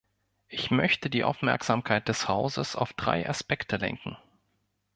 Ich möchte die Aufmerksamkeit des Hauses auf drei Aspekte lenken.